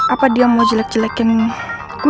apa dia mau jelek jelekin gue di depan nino